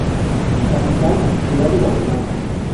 Capital: Ciudad de Guatemala.